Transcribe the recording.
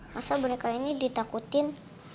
masa mereka ini ditakutin